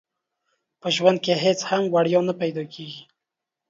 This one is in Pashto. په ژوند کې هيڅ هم وړيا نه پيدا کيږي.